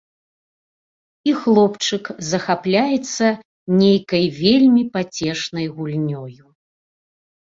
І хлопчык захапляецца нейкай вельмі пацешнай гульнёю.